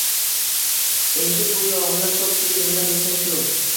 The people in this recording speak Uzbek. Endi bu yog‘iga ko‘pchilik nima desa shu